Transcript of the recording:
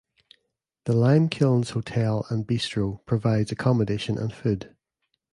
The Limekilns Hotel and Bistro provides accommodation and food.